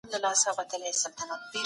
تاسو د اقتصادي پرمختيا په اړه څه فکر کوئ؟